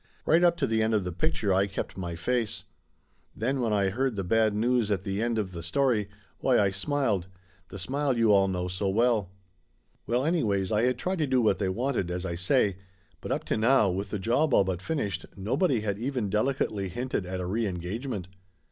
Right up to the end of the picture I kept my face. Then when I heard the bad news at the end of 180 Laughter Limited the story, why, I smiled. The smile you all know so well. Well anyways, I had tried to do what they wanted, as I say. But up to now, with the job all but finished, nobody had even delicately hinted at a reengagement.